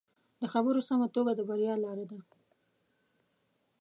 د خبرو سمه توګه د بریا لاره ده